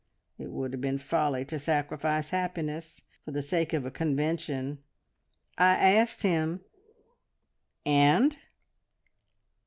It would have been folly to sacrifice happiness for the sake of a convention ... I asked him " "And?"